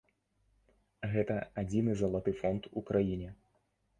Гэта адзіны залаты фонд у краіне.